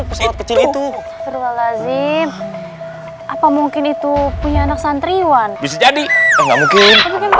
pesawat kecil itu berwalaizip apa mungkin itu punya anak santriwan bisa jadi enggak mungkin